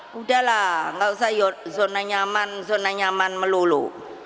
sudahlah tidak usah zona nyaman zona nyaman melulu